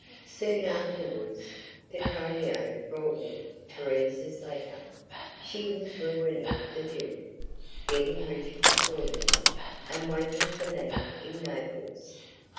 Soon afterwards, Petronio brought me Thérèse's letter. She was ruining the duke, getting rich accordingly, and waiting for me in Naples.